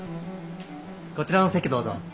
こちらの席どうぞ。